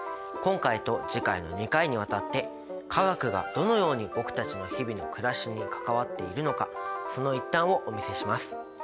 今回と次回の２回にわたって化学がどのように僕たちの日々のくらしに関わっているのかその一端をお見せします。